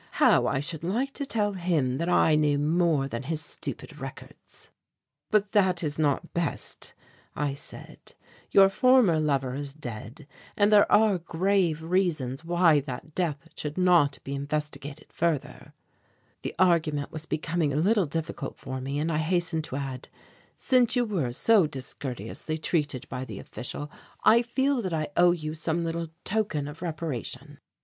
How I should like to tell him that I knew more than his stupid records." "But that is not best," I said; "your former lover is dead and there are grave reasons why that death should not be investigated further " The argument was becoming a little difficult for me and I hastened to add: "Since you were so discourteously treated by the official, I feel that I owe you some little token of reparation."